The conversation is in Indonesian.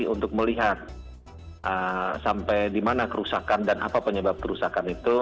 untuk melihat sampai di mana kerusakan dan apa penyebab kerusakan itu